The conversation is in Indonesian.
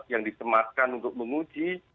yang disematkan untuk menguji